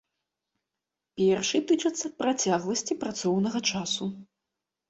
Першы тычыцца працягласці працоўнага часу.